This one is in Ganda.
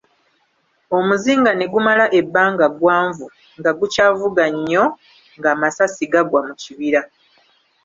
Omuzinga ne gumala ebbanga ggwanvu nga gukyavuga nnyo ng'amasasi gagwa mu kibira.